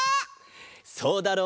そうだろう？